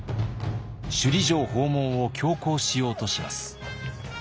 首里城訪問を強行しようとします。